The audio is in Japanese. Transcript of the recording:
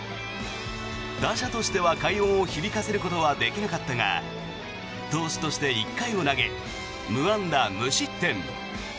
打者としては快音を響かせることはできなかったが投手として１回を投げ無安打無失点。